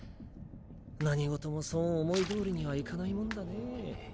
何事もそう思いどおりにはいかないもんだねぇ。